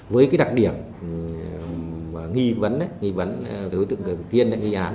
với đặc điểm nghi vấn đối tượng kiên